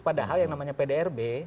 padahal yang namanya pdrb